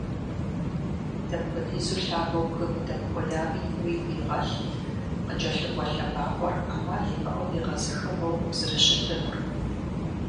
Дэпхуэдизу лъагэу бгым удэмыкӏуеями уигу игъэлъ, къыкӏэлъыкӏуэ лъэбакъуэр ӏэмал имыӏэу егъэзыхыгъуэу зэрыщытынур.